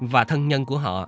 và thân nhân của họ